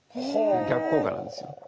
逆効果なんですよ。